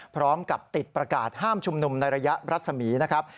พร้อมกับติดประกาศห้ามชุมนุมในระยะรัศมีนะครับ